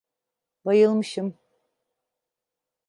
Bayılmışım.